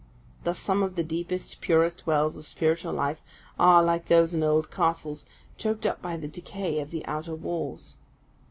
Thus some of the deepest, purest wells of spiritual life, are, like those in old castles, choked up by the decay of the outer walls.